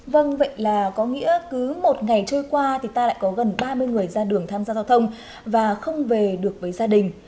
vâng vậy là có nghĩa cứ một ngày trôi qua thì ta lại có gần ba mươi người ra đường tham gia giao thông và không về được với gia đình